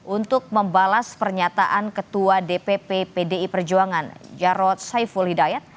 untuk membalas pernyataan ketua dpp pdi perjuangan jarod saiful hidayat